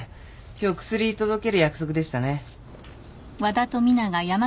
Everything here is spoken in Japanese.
今日薬届ける約束でしたね。